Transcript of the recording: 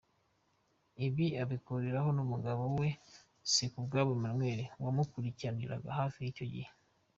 Ibi abihuriraho n’umugabo we Sikubwabo Emmanuel wamukurikiraniraga hafi icyo gihe.